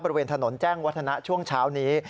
บริเวณถนนแจ้งวัฒนะช่วงเช้านี้